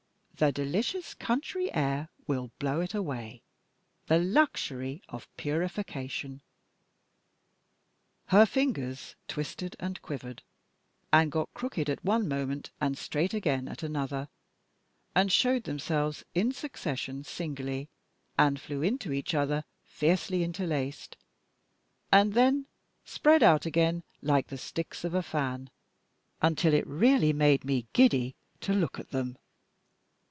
The delicious country air will blow it away the luxury of purification!" Her fingers twisted and quivered, and got crooked at one moment and straight again at another, and showed themselves in succession singly, and flew into each other fiercely interlaced, and then spread out again like the sticks of a fan, until it really made me giddy to look at them.